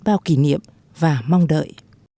chúng ta kỷ niệm và mong đợi